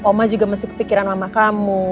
mama juga masih kepikiran mama kamu